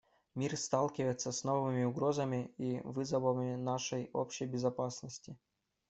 Мир сталкивается с новыми угрозами и вызовами нашей общей безопасности.